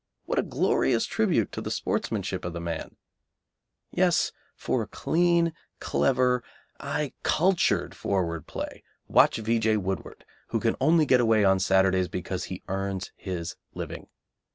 What a glorious tribute to the sportsmanship of the man! Yes, for clean, clever, aye, cultured forward play, watch V. J. Woodward, who can only get away on Saturdays because he earns his living.